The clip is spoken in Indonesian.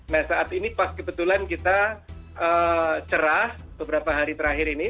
nah saat ini pas kebetulan kita cerah beberapa hari terakhir ini